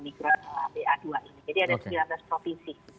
jadi ada sembilan belas provinsi